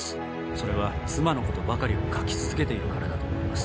それは妻のことばかりを書き続けているからだと思います。